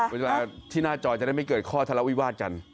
เวลาที่หน้าจอจะได้ไม่เกิดข้อทะเลาวิวาสกัน